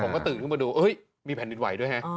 ผมก็ตื่นขึ้นมาดูมีแผ่นดินไหวด้วยฮะ